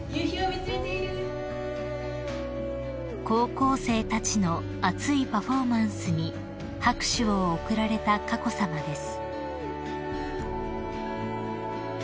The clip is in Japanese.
［高校生たちの熱いパフォーマンスに拍手を送られた佳子さまです］